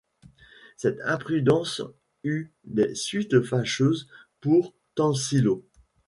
Cette imprudence eut des suites facheuses pour Tansillo.